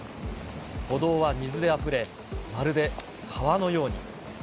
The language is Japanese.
歩道は水であふれ、まるで川のように。